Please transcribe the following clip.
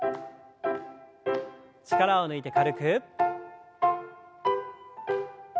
力を抜いて軽く。